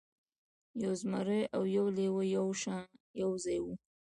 یو زمری او یو لیوه یو ځای وو.